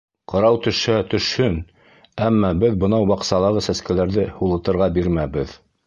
Ҡырау төшһә — төшһөн, әммә беҙ бынау баҡсалағы сәскәләрҙе һулытырға бирмәбеҙ!